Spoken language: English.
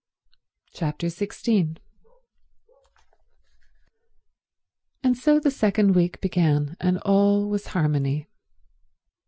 Chapter 16 And so the second week began, and all was harmony.